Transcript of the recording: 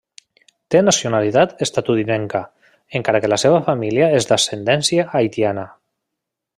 Té nacionalitat estatunidenca, encara que la seva família és d'ascendència haitiana.